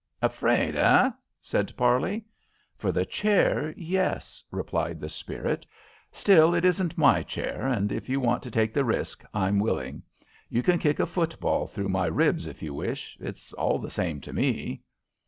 "Afraid, eh?" said Parley. "For the chair, yes," replied the spirit. "Still it isn't my chair, and if you want to take the risk, I'm willing. You can kick a football through my ribs if you wish. It's all the same to me."